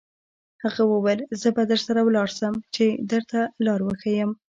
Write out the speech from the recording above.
هغه وویل: زه به درسره ولاړ شم، چې درته لار وښیم.